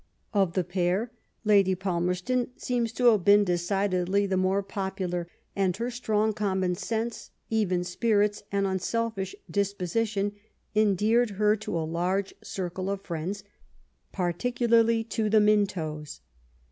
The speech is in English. Of the pair. Lady Palmerston seems to have been decidedly the more popular, and her strong common sense, even spirits, and unselfish disposition endeared her to a large circle of friends, particularly to the Mintos.